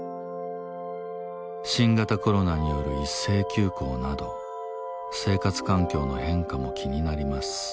新型コロナによる一斉休校など生活環境の変化も気になります。